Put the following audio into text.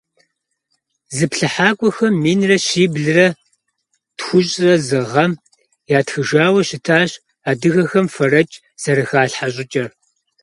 Зыплъыхьакӏуэхэм минрэ щиблэ тхущӏрэ зы гъэм ятхыжауэ щытащ адыгэхэм фэрэкӏ зэрыхалъхьэ щӏыкӏэр.